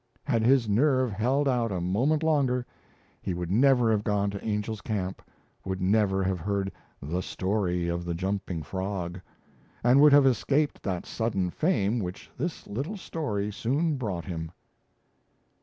Had his nerve held out a moment longer, he would never have gone to Angel's Camp, would never have heard The Story of the Jumping Frog, and would have escaped that sudden fame which this little story soon brought him.